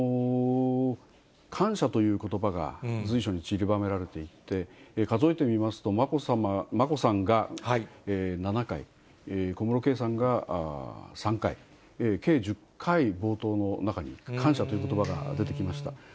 感謝ということばが随所にちりばめられていて、数えてみますと、眞子さんが７回、小室圭さんが３回、計１０回、冒頭の中に、感謝ということばが出てきました。